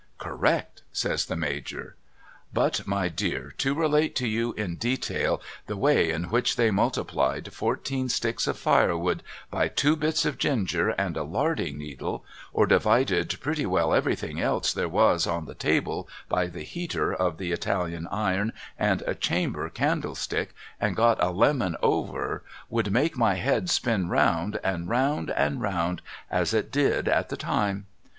' Correct ' says the Major. But my dear to relate to you in detail the way in which they multiplied fourteen sticks of firewood by two bits of ginger and a larding needle, or divided pretty well everything else there was on the table by the heater of the Italian iron and a chamber candle stick, and got a lemon over, would make my head spin round and round and round as it did at the time.